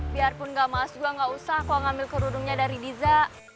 biarpun gak maas gua gak usah gua ngambil kerudungnya dari diza